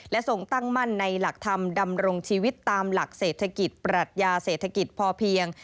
และทรงตั้งมั่นในหลักธรรมดำรงชีวิตตามหลักเศรษฐกิจปรัชญาเศรษฐกิจพอเพียง